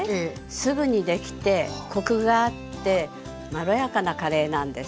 すぐに出来てコクがあってまろやかなカレーなんです。